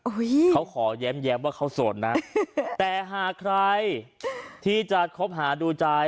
เขาขอแย้มว่าเขาโสดนะแต่หากใครที่จะคบหาดูใจ